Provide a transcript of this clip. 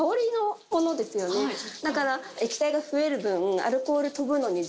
だから液体が増える分。